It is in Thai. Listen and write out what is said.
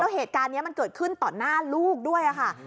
เหตุการณ์นี้มันเกิดขึ้นต่อหน้าลูกด้วยค่ะ